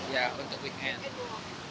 ya untuk weekend